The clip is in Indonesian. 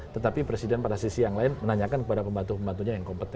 tetapi presiden pada sisi yang lain menanyakan kepada pembantu pembantunya yang kompeten